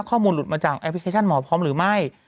ข้อมูลหลุดมาจากแอปพลิเคชันหมอพร้อมหรือไม่